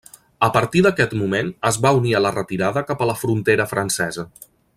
A partir d'aquest moment es va unir a la retirada cap a la frontera francesa.